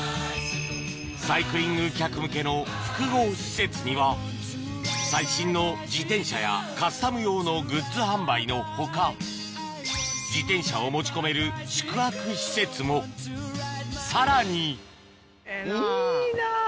サイクリング客向けの複合施設には最新の自転車やカスタム用のグッズ販売の他自転車を持ち込める宿泊施設もさらにいいな！